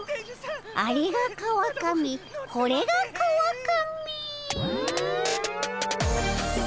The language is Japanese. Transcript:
あれが川上これが川上」。